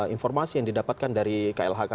informasi yang didapatkan dari klhk